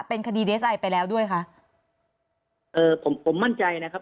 เป็นคดีดีเอสไอไปแล้วด้วยคะเอ่อผมผมมั่นใจนะครับ